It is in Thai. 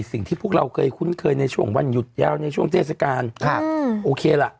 สิ่งที่พวกเราเคยคุ้นเคยในช่วงวันหยุดยาวในช่วงเทศกาลครับโอเคล่ะ